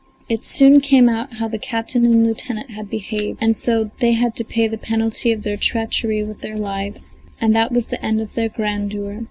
It soon came out how the captain and lieutenant had behaved, and so they had to pay the penalty of their treachery with their lives, and that was the end of their grandeur.